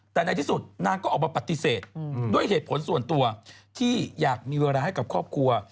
แต่ในที่สุดนางก็ออกมาปฏิเสธด้วยเหตุผลส่วนตัวที่อยากมีเวลาให้กับครอบครัว